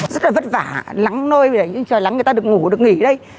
rất là vất vả lắng nôi lắng người ta được ngủ được nghỉ đây